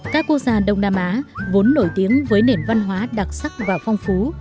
các quốc gia đông nam á vốn nổi tiếng với nền văn hóa đặc sắc và phong phú